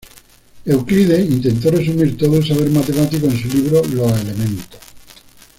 Euclides intentó resumir todo el saber matemático en su libro "Los elementos".